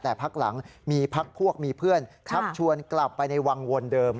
แต่พักหลังมีพักพวกมีเพื่อนชักชวนกลับไปในวังวนเดิม